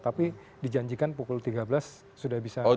tapi dijanjikan pukul tiga belas sudah bisa